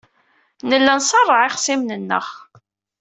Nella nṣerreɛ ixṣimen-nneɣ.